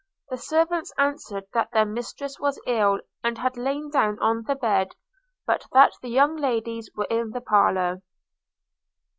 The servants answered that their mistress was ill, and had lain down on the bed; but that the young ladies were in the parlour.